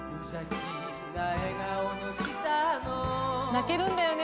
泣けるんだよね